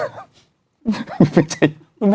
ไม่ใช่